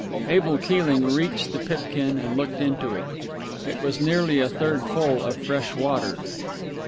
Abel Keeling reached the pipkin and looked into it. It was nearly a third full of fresh water.